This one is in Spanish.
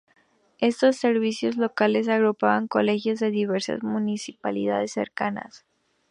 Estos Servicios Locales agrupaban colegios de diversas municipalidades cercanas.